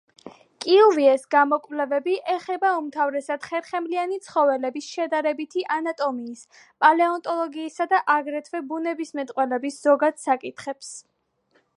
კიუვიეს გამოკვლევები ეხება უმთავრესად ხერხემლიანი ცხოველების შედარებითი ანატომიის, პალეონტოლოგიისა და აგრეთვე ბუნებისმეტყველების ზოგად საკითხებს.